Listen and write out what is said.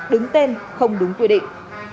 đứng tên không đúng quy định